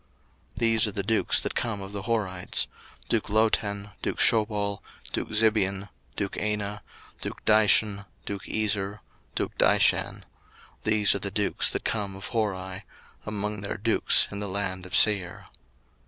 01:036:029 These are the dukes that came of the Horites; duke Lotan, duke Shobal, duke Zibeon, duke Anah, 01:036:030 Duke Dishon, duke Ezer, duke Dishan: these are the dukes that came of Hori, among their dukes in the land of Seir.